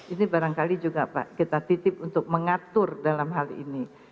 ini barangkali juga pak kita titip untuk mengatur dalam hal ini